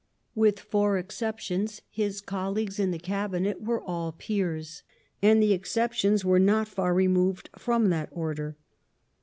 With four exceptions his colleagues in the Cabinet were all Peers, and the exceptions were not far removed from that order.